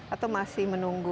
atau masih menunggu